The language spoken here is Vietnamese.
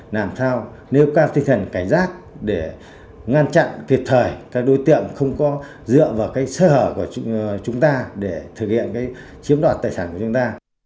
làm sao nêu cao tinh thần cảnh giác để ngăn chặn kịp thời các đối tượng không có dựa vào cái sơ hở của chúng ta để thực hiện cái chiếm đoạt tài sản của chúng ta